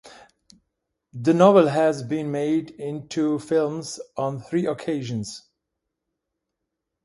The novel has been made into films on three occasions.